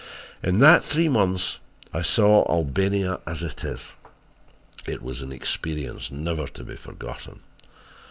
"In that three months I saw Albania as it is it was an experience never to be forgotten!